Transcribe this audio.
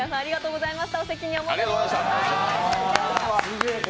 ありがとうございます。